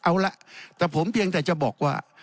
เอาละแต่ผมเพียงแต่จะบอกว่า